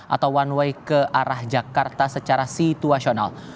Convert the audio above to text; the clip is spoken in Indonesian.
atau one way ke arah jakarta secara situasional